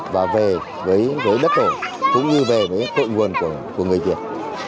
và về với đất tổ cũng như về với cội nguồn của người việt